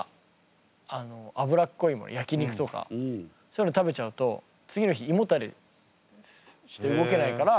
焼き肉とかそういうの食べちゃうと次の日胃もたれして動けないから。